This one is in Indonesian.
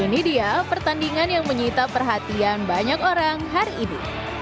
ini dia pertandingan yang menyita perhatian banyak orang hari ini